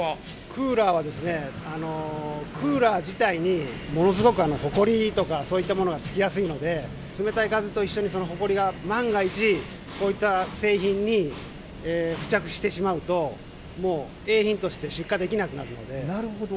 クーラーはですね、クーラー自体にものすごくほこりとか、そういったものが付きやすいので、冷たい風と一緒にそのほこりが万が一、こういった製品に付着してしまうと、もう、製品として出荷できななるほど。